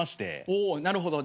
おおなるほど。